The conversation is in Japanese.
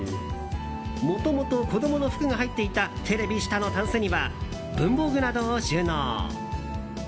もともと子供の服が入っていたテレビ下のたんすには文房具などを収納。